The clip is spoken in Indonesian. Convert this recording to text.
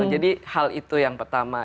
jadi hal itu yang pertama